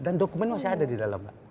dan dokumen masih ada di dalam